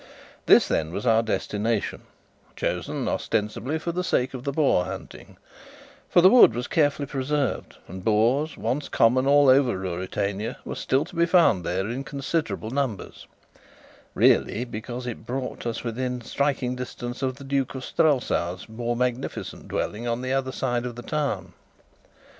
This, then, was our destination; chosen ostensibly for the sake of the boar hunting (for the wood was carefully preserved, and boars, once common all over Ruritania, were still to be found there in considerable numbers), really because it brought us within striking distance of the Duke of Strelsau's more magnificent dwelling on the other side of the town.